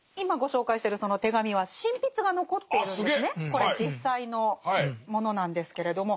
これ実際のものなんですけれども。